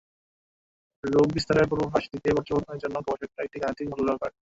রোগ বিস্তারের পূর্বাভাস দিতে পর্যবেক্ষণের জন্য গবেষকেরা একটি গাণিতিক মডেল ব্যবহার করেন।